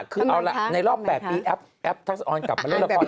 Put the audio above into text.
คือเอาล่ะในรอบ๘ปีแอปทักษะออนกลับมาเล่นละคร